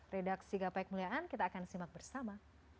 redaksi gapai kemuliaan kita akan simak bersama